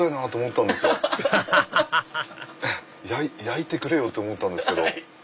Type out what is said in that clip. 焼いてくれよ！と思ったんですけど。